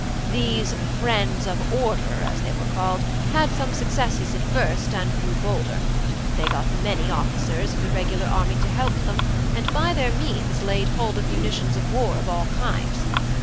These 'Friends of Order,' as they were called, had some successes at first, and grew bolder; they got many officers of the regular army to help them, and by their means laid hold of munitions of war of all kinds.